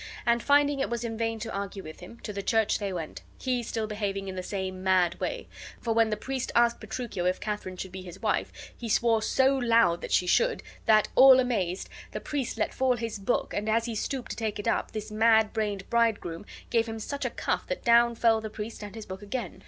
And, finding it was in vain to argue with him, to the church they went, he still behaving in the same mad way, for when the priest asked Petruchio if Katharine should be his wife, he swore so loud that she should, that, all amazed, the priest let fall his book, and as he stooped to take it up this mad brained bridegroom gave him such a cuff that down fell the priest and his book again.